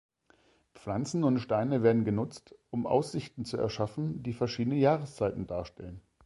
Pflanzen und Steine werden genutzt, um Aussichten zu erschaffen, die verschiedene Jahreszeiten darstellen.